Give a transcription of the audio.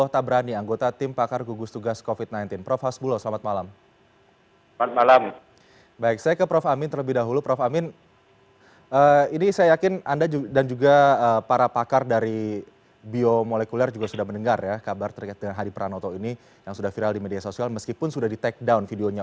terima kasih bergabung bersama kami selamat malam prof amin